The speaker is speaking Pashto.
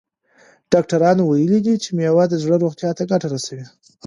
ډاکټرانو ویلي دي چې مېوه د زړه روغتیا ته ګټه رسوي.